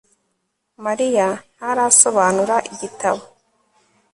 Mariya ntarasobanura igitabo